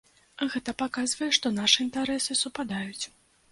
Гэта паказвае, што нашы інтарэсы супадаюць.